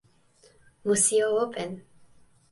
musi o open!